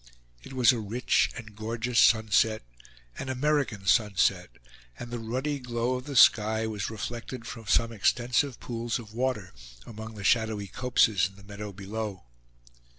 It was a rich and gorgeous sunset an American sunset; and the ruddy glow of the sky was reflected from some extensive pools of water among the shadowy copses in the meadow below.